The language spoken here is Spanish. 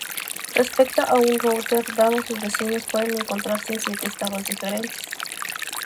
Respecto a un "router" dado, sus vecinos pueden encontrarse en siete estados diferentes.